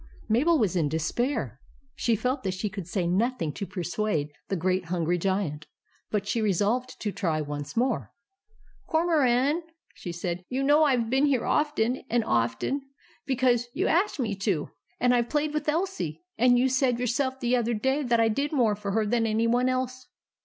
Mabel was in despair. She felt that she could say nothing to persuade the great hungry Giant. But she resolved to try once more. " Cormoran," she said, " you know I Ve been here often and often, because you asked me to ; and I Ve played with Elsie, and you said yourself the other day that I did more for her than any one else.